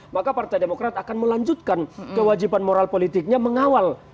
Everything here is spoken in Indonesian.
maka partai demokrat akan melanjutkan kewajiban moral politiknya mengawal